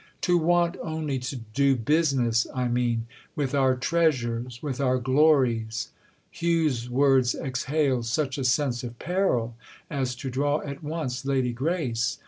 "To want only to 'do business,' I mean, with our treasures, with our glories." Hugh's words exhaled such a sense of peril as to draw at once Lady Grace.